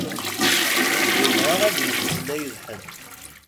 Yebɣa ad yemmeslay d ḥed.